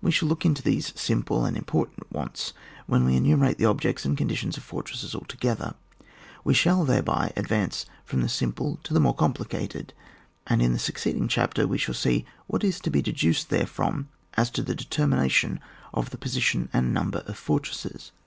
We shall look into these simple and important wants when we enumerate the objects and conditions of fortresses all together ; we shall thereby advance from the simple to the more com plicated, and in the succeeding chapter we shall see what is to be deduced therefrom as to the determination of the position and number of fortresses.